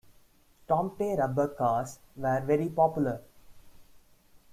Tomte rubber cars were very popular.